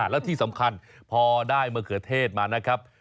แล้วที่สำคัญพอได้มะเขือเทศมานะครับ